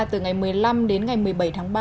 từ ngày một mươi năm đến ngày một mươi bảy tháng ba